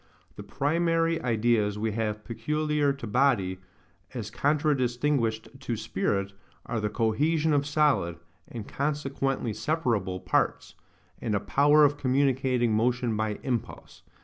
The primary ideas we have PECULIAR TO BODY, as contradistinguished to spirit, are the COHESION OF SOLID, AND CONSEQUENTLY SEPARABLE, PARTS, and a POWER OF COMMUNICATING MOTION BY IMPULSE.